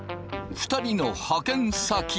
２人の派遣先。